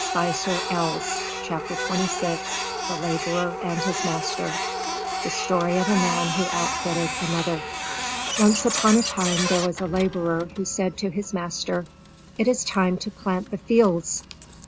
[Illustration: Headpiece] THE LABORER AND HIS MASTER The Story of a Man Who Outfitted Another Once upon a time there was a laborer who said to his master: "It is time to plant the fields."